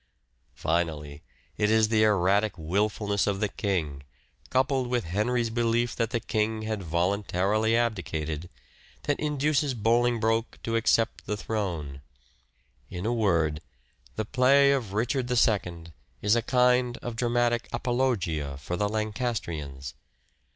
Finally, it is the erratic wilfulness of the king, coupled with Henry's belief that the king had voluntarily abdicated, that 124 " SHAKESPEARE " IDENTIFIED induces Bolingbroke to accept the throne. In a word, the play of " Richard II " is a kind of dramatic apologia for the Lancastrians.